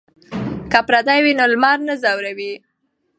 که پرده وي نو لمر نه ځوروي.